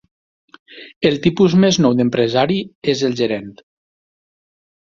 El tipus més nou d'empresari és el gerent.